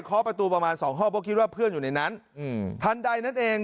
ประตูประมาณสองห้องเพราะคิดว่าเพื่อนอยู่ในนั้นทันใดนั่นเอง